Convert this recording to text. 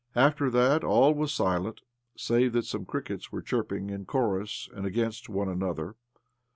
After that all was silent, save that some crickets were chirping in chorus and against one another.